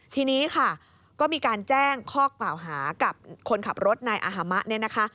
ทีนี้ค่ะก็มีการแจ้งข้อกล่าวหากับคนขับรถนายอาฮามะเนี่ยนะคะ